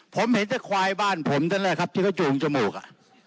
ผมเห็นแต่ควายบ้านผมนั่นแหละครับที่เขาจูงจมูกอ่ะ